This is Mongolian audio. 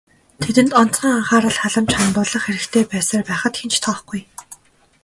Тэдэнд онцгой анхаарал халамж хандуулах хэрэгтэй байсаар байхад хэн ч тоохгүй.